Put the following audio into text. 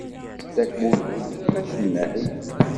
Zeddak Mulud, d acennay.